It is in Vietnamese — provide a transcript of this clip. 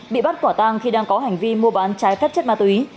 bị bắt quả tang khi đang có hành vi mua bán trái phép chất ma túy